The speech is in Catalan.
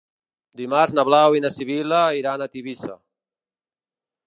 Dimarts na Blau i na Sibil·la iran a Tivissa.